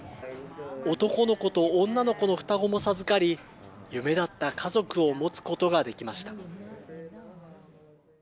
男の子と女の子の双子も授かり、夢だった家族を持つことができました。